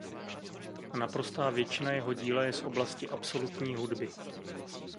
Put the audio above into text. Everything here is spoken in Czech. A naprostá většina jeho díla je z oblasti absolutní hudby.